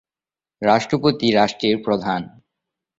রাষ্ট্রপতি রাষ্ট্রের প্রধান।